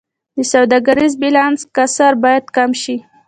د سوداګریز بیلانس کسر باید کم شي